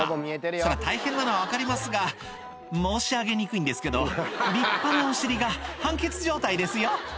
そりゃ大変なのは分かりますが申し上げにくいんですけど立派なお尻が半ケツ状態ですよ